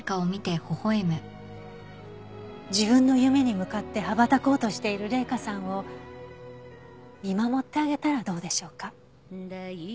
自分の夢に向かって羽ばたこうとしている麗華さんを見守ってあげたらどうでしょうか？